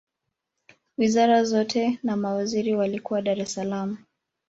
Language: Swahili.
wizara zote na mawaziri walikuwa dar es salaam